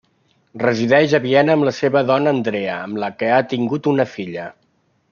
Resideix a Viena amb la seva dona Andrea amb la que ha tingut una filla.